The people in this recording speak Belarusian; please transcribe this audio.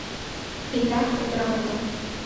І так паўтара года.